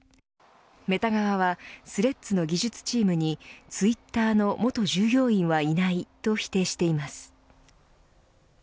メタ側はスレッズの技術チームにツイッターの元従業員はいないと否定しています。